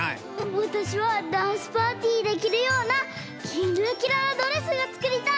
わたしはダンスパーティーできるようなキラキラのドレスがつくりたい！